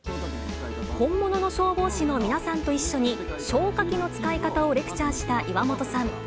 本物の消防士の皆さんと一緒に、消火器の使い方をレクチャーした岩本さん。